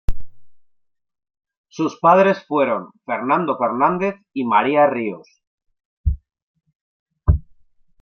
Sus padres fueron Fernando Fernández y María Ríos.